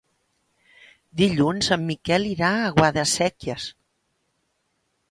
Dilluns en Miquel irà a Guadasséquies.